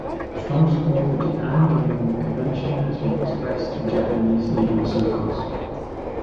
Strong support for Japan joining the Convention has been expressed in Japanese legal circles.